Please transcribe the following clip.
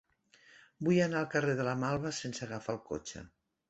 Vull anar al carrer de la Malva sense agafar el cotxe.